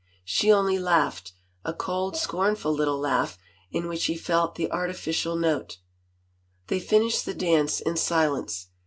... She only laughed, a cold, scorn ful little laugh in which he felt the artificial note. They finished the dance in silence.